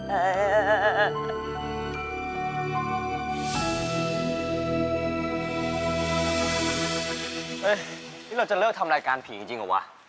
เฮ้ยนี่เราจะเลิกทำรายการผีจริงหรือวะ